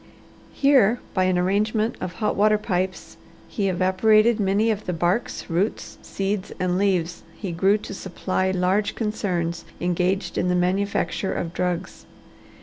Here, by an arrangement of hot water pipes, he evaporated many of the barks, roots, seeds, and leaves he grew to supply large concerns engaged in the manufacture of drugs.